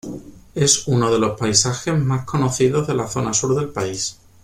Es uno de los paisajes más conocidos de la zona sur del país.